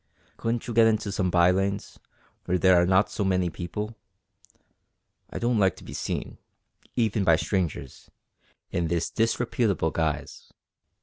Couldn't you get into some by lanes, where there are not so many people? I don't like to be seen, even by strangers, in this disreputable guise.